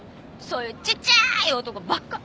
そういうちっちゃーい男ばっか！